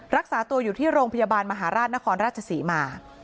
รักษาตัวอยู่ที่โรงพยาบาลมหาราชนครราชศรีมา